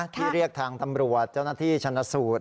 ที่เรียกทางตำรวจเจ้าหน้าที่ชนะสูตร